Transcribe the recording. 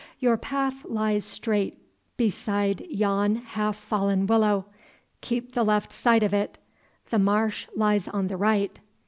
Your path lies straight beside yon half fallen willow; keep the left side of it; the marsh lies on the right.